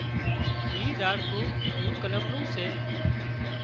اِي زاڙکون جوڪلم نُون سي